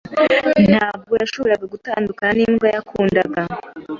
Ntabwo yashoboraga gutandukana nimbwa yakundaga.